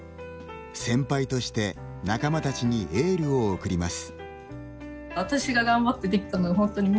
先輩として、仲間たちにエールを送ります。